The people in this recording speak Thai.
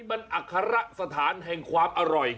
มันอัครสถานแห่งความอร่อย